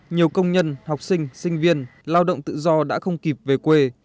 nhiều công nhân học sinh sinh viên lao động tự do đã không kịp về quê